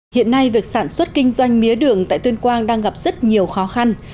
hiện nay việc sản xuất kinh doanh mía đường tại tuyên quang đang gặp rất nhiều khó khăn